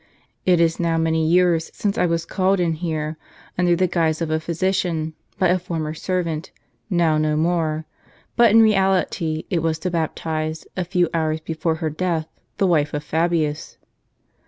It is now many years since I was called in here, under the guise of a physician, by a former servant, now no more; but in reality it was to baptize, a few hours before her death, the wife of Fabius."